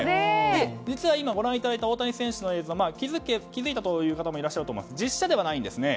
実は今ご覧いただいた大谷選手の映像気づいたという方もいると思いますが実写ではないんです。